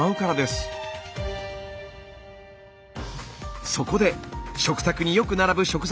そこで食卓によく並ぶ食材を徹底分析。